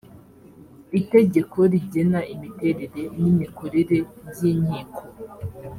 itegeko rigena imiterere n’imikorere by’inkiko